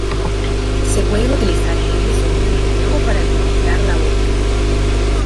Se pueden utilizar geles solubles en agua para lubricar la boca.